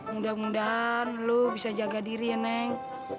mudah mudahan lo bisa jaga diri ya neng